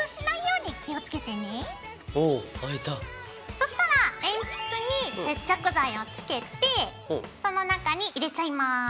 そしたら鉛筆に接着剤をつけてその中に入れちゃいます。